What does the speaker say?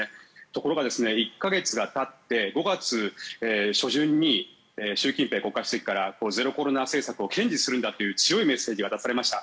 ところが、１か月がたって５月初旬に習近平国家主席からゼロコロナ政策を堅持するんだという強いメッセージが出されました。